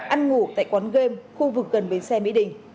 ăn ngủ tại quán game khu vực gần bến xe mỹ đình